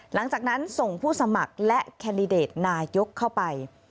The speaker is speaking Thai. หลังจากนั้นส่งผู้สมัครและแคนดิเดตนายกเข้าไป